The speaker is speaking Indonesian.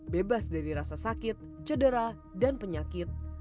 bebas dari rasa sakit cedera dan penyakit